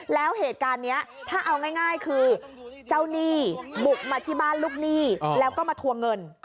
แล้วเหตุการณ์นี้ถ้าเอาง่ายคือเจ้าหนี้บุกมาที่บ้านลูกหนี้แล้วก็มาทวงเงิน